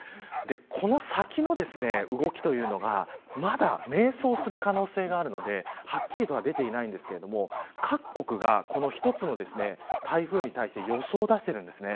この先の動きというのがまだ迷走する可能性があるのではっきりとは出ていないんですけれども各国が一つの台風に対して予想を出しているんですね。